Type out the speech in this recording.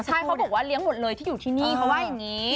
ใช่เขาบอกว่าเลี้ยงหมดเลยที่อยู่ที่นี่เขาว่าอย่างนี้